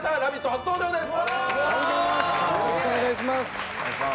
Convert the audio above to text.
初登場です。